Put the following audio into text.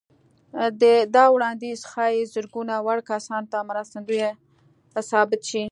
دا وړانديز ښايي زرګونه وړ کسانو ته مرستندوی ثابت شي.